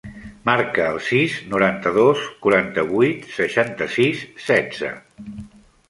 Marca el sis, noranta-dos, quaranta-vuit, seixanta-sis, setze.